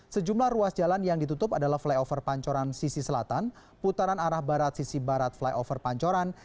sejumlah ruas jalan yang ditutup adalah flyover pancoran sisi selatan putaran arah barat sisi barat flyover pancoran